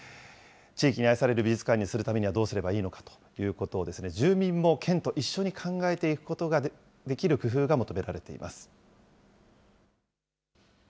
地域に愛される美術館にするためには、どうすればいいのかということを、住民も県と一緒に考えていくことができる工夫が求められています。